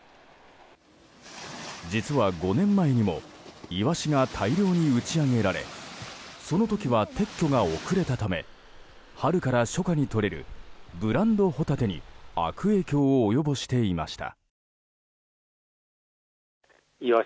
実は５年前にもイワシが大量に打ち揚げられその時は撤去が遅れたため春から初夏にとれるブランドホタテに悪影響を及ぼしていました。